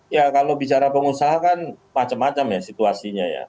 ya kalau bicara pengusaha kan macam macam ya situasinya ya